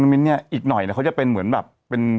ไม่ใช่ควัลมหิตมนุษย์มานาน